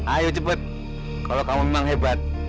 ayo cepat kalau kamu memang hebat